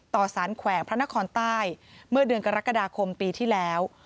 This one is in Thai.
ต่อสารแขวงพระนครใต้เมื่อเดือนกรกฎาคมปีที่แล้ว